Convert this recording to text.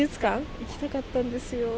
行きたかったんですよ。